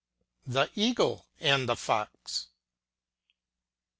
THE EAGLE AND THE Fox.